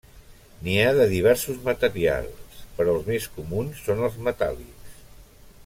N'hi ha de diversos materials, però els més comuns són els metàl·lics.